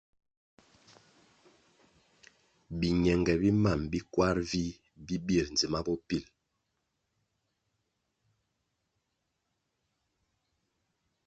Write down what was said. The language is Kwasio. Biñenge bi mam bi kwar vih bi bir ndzima bopil.